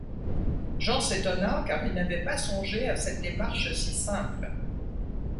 Jean s’étonna, car il n’avait pas songé à cette démarche si simple.